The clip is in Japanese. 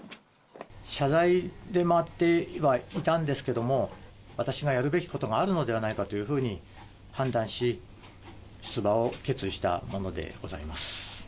謝罪で回ってはいたんですけれども、私がやるべきことがあるのではないかというふうに判断し、出馬を決意したものでございます。